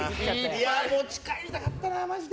持ち帰りたかったな、マジで。